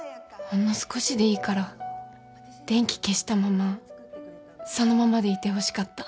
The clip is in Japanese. ほんの少しでいいから電気消したままそのままでいてほしかった。